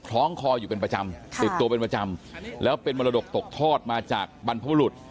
ล้องคออยู่เป็นประจำติดตัวเป็นประจำแล้วเป็นมรดกตกทอดมาจากบรรพบุรุษ